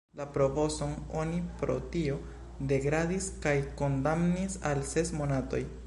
La provoson oni pro tio degradis kaj kondamnis al ses monatoj.